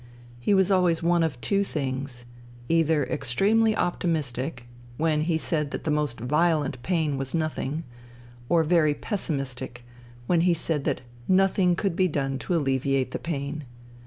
He was always one of two things : either extremely optimistic, when he said that the most violent pain was nothing ; or very pessimistic, when he said that nothing could be done to alleviate the pain.